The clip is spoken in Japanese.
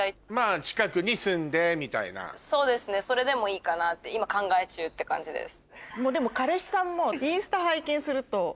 それでもいいかなって今考え中って感じです。